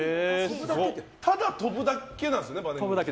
ただ跳ぶだけなんですよね。